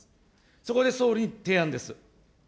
そこで総理に提案です。